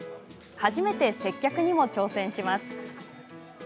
初めて接客にも挑戦します。